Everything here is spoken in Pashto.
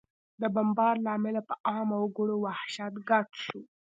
د بمبار له امله په عامه وګړو وحشت ګډ شو